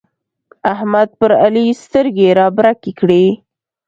احمد پر علي سترګې رابرګې کړې.